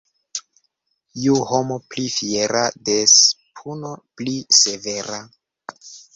Ju homo pli fiera, des puno pli severa.